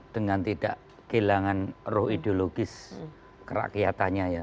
dengan tidak kehilangan roh ideologis kerakyatannya ya